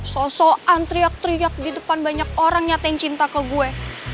sosok antriak teriak di depan banyak orang nyatain cinta ke gue